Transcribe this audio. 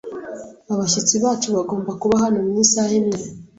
Abashyitsi bacu bagomba kuba hano mu isaha imwe.